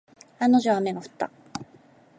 案の定、雨が降った。